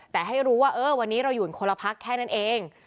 แต่ให้รู้ว่าวันนี้เราอยู่คนละพักแค่นั้นเอง